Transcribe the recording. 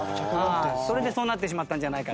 それでそうなってしまったんじゃないか。